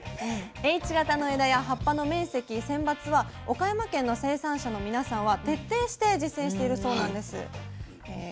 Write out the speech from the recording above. Ｈ型の枝や葉っぱの面積選抜は岡山県の生産者の皆さんは徹底して実践しているそうなんです。